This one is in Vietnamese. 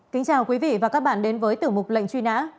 kính chào quý vị và các bạn đến với tiểu mục lệnh truy nã